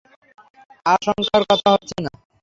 আশংকার কথা হচ্ছে, না!